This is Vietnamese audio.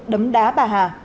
đấm đá bà hà